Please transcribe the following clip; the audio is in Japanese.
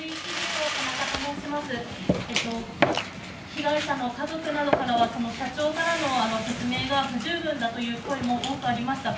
被害者の家族などからは社長からの説明が不十分だという声も多くありました。